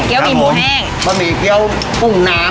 เทียวกับมีเต๋อปุงน้ำ